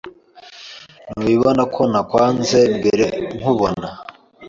Ntubibona ko nakwanze mbere nkubona